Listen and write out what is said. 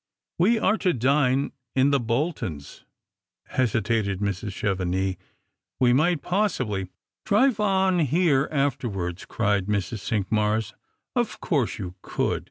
" We are to dine in the Boltons," hesitated Mrs. Chevenix ;" we might possibly "" Drive on here afterwards," cried Mrs. Cinqmars ;" of course you could.